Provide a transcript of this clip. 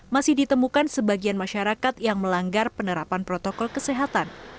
masih ditemukan sebagian masyarakat yang melanggar penerapan protokol kesehatan